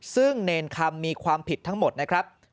ซึ่งเนรคำมีความผิดทั้งหมดนะครับ